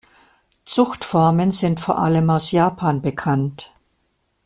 Zuchtformen sind vor allem aus Japan bekannt.